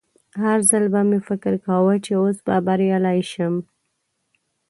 هر ځل به مې فکر کاوه چې اوس به بریالی شم